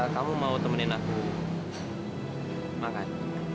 kamu mau temenin aku makan